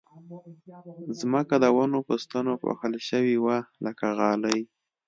ځمکه د ونو په ستنو پوښل شوې وه لکه غالۍ